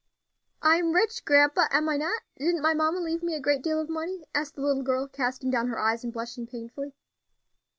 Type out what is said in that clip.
"I am rich, grandpa, am I not? Didn't my mamma leave me a great deal of money?" asked the little girl, casting down her eyes and blushing painfully.